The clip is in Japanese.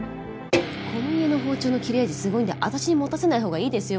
この家の包丁の切れ味すごいんで私に持たせないほうがいいですよ？